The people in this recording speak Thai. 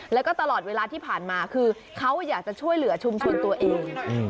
แล้วก็ตลอดเวลาที่ผ่านมาคือเขาอยากจะช่วยเหลือชุมชนตัวเอง